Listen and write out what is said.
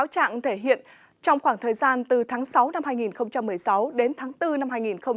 trạng thể hiện trong khoảng thời gian từ tháng sáu năm hai nghìn một mươi sáu đến tháng bốn năm hai nghìn một mươi chín